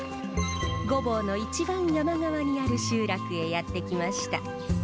御坊の一番山側にある集落へやって来ました。